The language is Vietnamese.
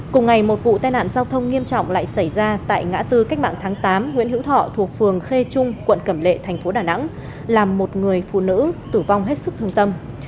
cùng ngày một vụ tai nạn giao thông nghiêm trọng lại xảy ra tại ngã tư cách mạng tháng tám nguyễn hữu thọ thuộc phường khê trung quận cẩm lệ thành phố đà nẵng làm một người phụ nữ tử vong hết sức thương tâm